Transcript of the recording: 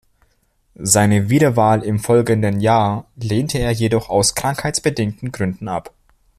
Seine Wiederwahl im folgenden Jahr lehnte er jedoch aus krankheitsbedingten Gründen ab.